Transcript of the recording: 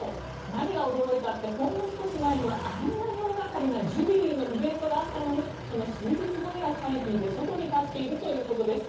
何が驚いたってほんの少し前にはあんなに大掛かりなジュビリーのイベントがあったのにその数日後にはチャリティーで外に立っているということです。